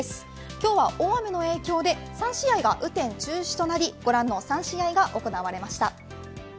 今日は大雨の影響で３試合が雨天中止となりご覧の３試合が行われました。